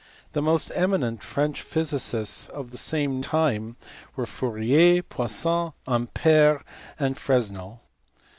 The most eminent French physicists of the same time were Fourier, Poisson, Ampere, and Fresnel.